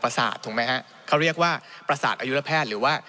ประสาทถูกไหมฮะเขาเรียกว่าประสาทอายุระแพทย์หรือว่า